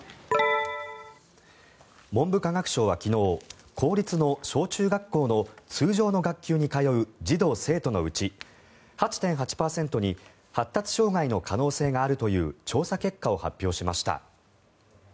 文部科学省は昨日公立の小中学校の通常の学級に通う児童・生徒のうち８．８％に発達障害の可能性があるという調査結果を発表しました。